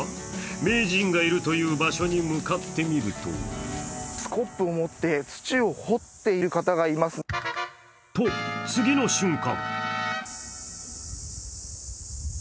名人がいるという場所に向かってみるとと、次の瞬間。